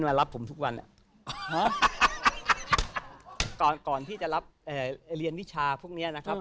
บัวบังไบอยู่ไหน